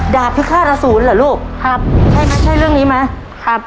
ดาบพิฆาตอสูรเหรอลูกครับใช่ไหมใช่เรื่องนี้ไหมครับ